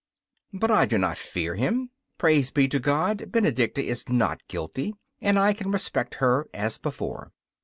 But I do not fear him. Praise be to God! Benedicta is not guilty, and I can respect her as before.